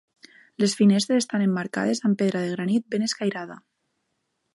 Les finestres estan emmarcades amb pedra de granit ben escairada.